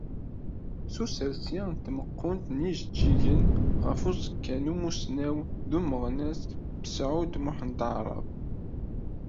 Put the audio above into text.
S usersi n tmeqqunt n yijeǧǧigen ɣef uẓekka n umussnaw d umeɣnas Besεud Muḥend Aεrab.